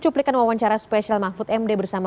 cuplikan wawancara spesial mahfud md bersama